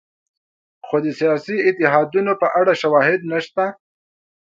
خو د سیاسي اتحادونو په اړه شواهد نشته.